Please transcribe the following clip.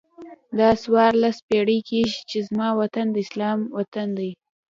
دا څوارلس پیړۍ کېږي چې زما وطن د اسلام وطن دی.